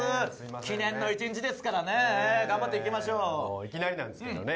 記念の一日ですからね頑張っていきましょういきなりなんですけどね